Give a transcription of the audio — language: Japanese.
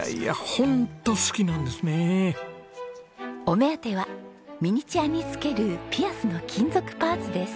お目当てはミニチュアにつけるピアスの金属パーツです。